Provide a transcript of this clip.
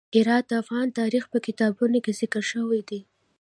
هرات د افغان تاریخ په کتابونو کې ذکر شوی دی.